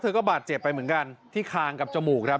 ก็บาดเจ็บไปเหมือนกันที่คางกับจมูกครับ